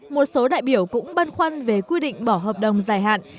một số đại biểu cũng băn khoăn về quy định bỏ hợp đồng dài hạn